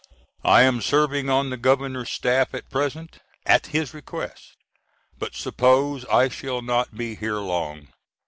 I am serving on the Governor's staff at present at his request, but suppose I shall not be here long.